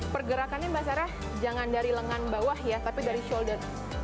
pergerakannya mbak sarah jangan dari lengan bawah ya tapi dari shoulder